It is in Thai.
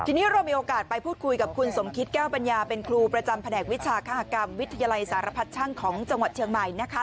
ทีนี้เรามีโอกาสไปพูดคุยกับคุณสมคิตแก้วปัญญาเป็นครูประจำแผนกวิชาคกรรมวิทยาลัยสารพัดช่างของจังหวัดเชียงใหม่นะคะ